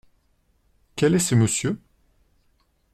Quel est ce monsieur ?